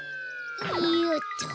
よっと。